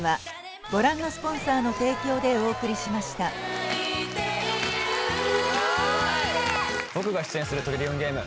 ニトリ僕が出演する「トリリオンゲーム」